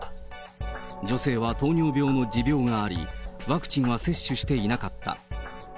女性は糖尿病の持病があり、ワクチンは接種していなかった。